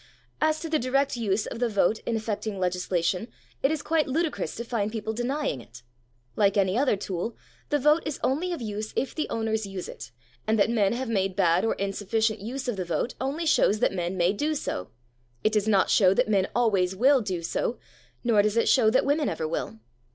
As to the direct use of the vote in affecting legislation, it is quite ludicrous to find people denying it. Like any other tool, the vote is only of use if the owners use it, and that men have made bad or insufficient use of the vote only shows that men may do so; it does not show that men always will do so, nor does it show that women ever will.